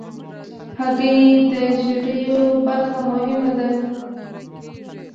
هګۍ د ژیړو برخه مهمه ده.